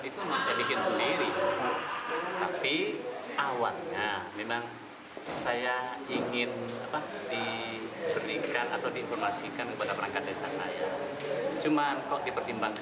terkait dengan surat pernyataan yang viral